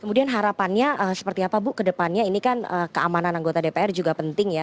kemudian harapannya seperti apa bu kedepannya ini kan keamanan anggota dpr juga penting ya